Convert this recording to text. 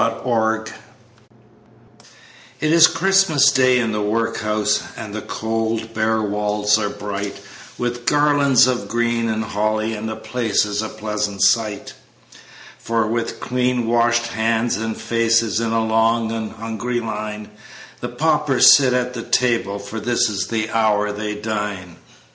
Sims In the Workhouse: Christmas Day It is Christmas Day in the Workhouse, And the cold bare walls are bright With garlands of green and holly, And the place is a pleasant sight: For with clean washed hands and faces, In a long and hungry line The paupers sit at the tables For this is the hour they dine.